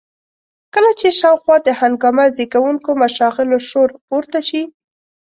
کله چې شاوخوا د هنګامه زېږوونکو مشاغلو شور پورته شي.